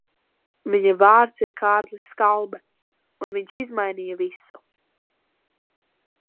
Viņa vārds ir Kārlis Skalbe, un viņš izmainīja visu.